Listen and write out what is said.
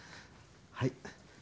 はい。